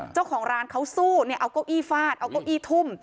เจ้าของร้านเขาสู้เนี่ยเอาเก้าอี้ฟาดเอาเก้าอี้ทุ่ม